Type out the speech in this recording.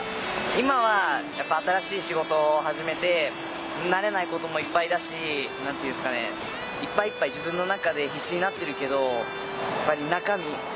今は新しい仕事を始めて慣れないこともいっぱいだしいっぱいいっぱい自分の中で必死になってるけどやっぱり中身。